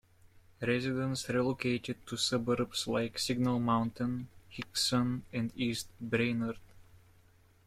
Residents relocated to suburbs like Signal Mountain, Hixson, and East Brainerd.